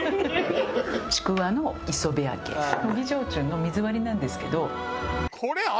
ちくわの磯辺揚げ麦焼酎の水割りなんですけど。